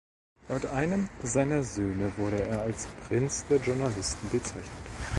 Laut einem seiner Söhne wurde er als "Prinz der Journalisten" bezeichnet.